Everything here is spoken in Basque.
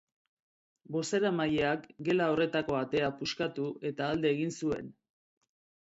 Bozeramaileak gela horretako atea puskatu, eta alde egin zuen.